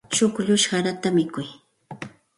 Chukllush sarata mikun.